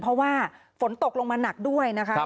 เพราะว่าฝนตกลงมาหนักด้วยนะคะ